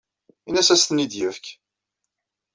Ini-as ad as-ten-id-yefk.